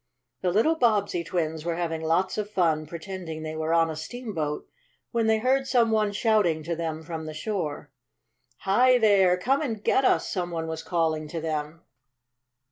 The little Bobbsey twins were having lots of fun, pretending they were on a steamboat, when they heard some one shouting to them from the shore. "Hi there! Come and get us!" someone was calling to them.